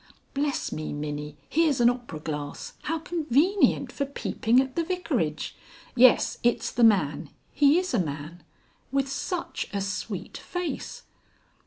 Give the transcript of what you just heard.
Bless me, Minnie! here's an opera glass. How convenient for peeping at the Vicarage!... Yes, it's the man. He is a man. With such a sweet face."